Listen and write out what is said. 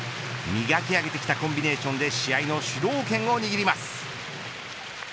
磨き上げてきたコンビネーションで試合の主導権を握ります。